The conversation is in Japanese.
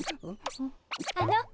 あの。